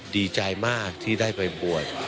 ดีใจมากที่ได้ไปบวช